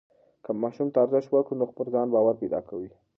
که ماشوم ته ارزښت ورکړو نو پر ځان باور پیدا کوي.